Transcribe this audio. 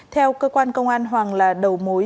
theo cơ quan công an hoàng là đầu mối